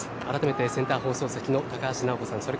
改めてセンター放送席の高橋尚子さん